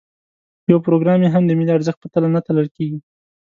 یو پروګرام یې هم د ملي ارزښت په تله نه تلل کېږي.